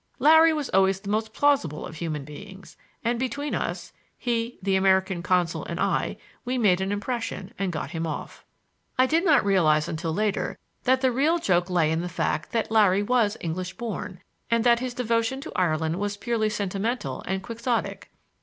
Larry was always the most plausible of human beings, and between us,—he, the American consul and I,—we made an impression, and got him off. I did not realize until later that the real joke lay in the fact that Larry was English born, and that his devotion to Ireland was purely sentimental and quixotic.